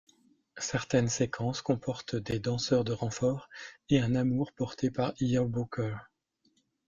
Certaines séquences comportent des danseurs de renfort et un amour porté par Eyal Booker.